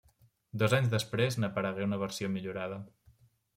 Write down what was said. Dos anys després n'aparegué una versió millorada.